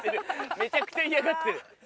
めちゃくちゃ嫌がってる。